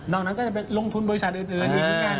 นอกนั้นก็จะไปลงทุนบริษัทอื่น